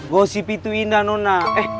gosip itu indah nona